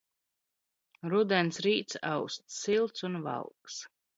Rudens r?ts aust silts un valgs.